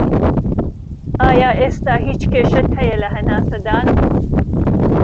ئایا ئێستا هیچ کێشەت هەیە لە هەناسەدان